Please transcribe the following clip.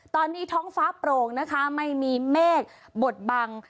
ตอนนี้ท้องฟ้าโปร่งนะคะไม่มีเมฆบดบัง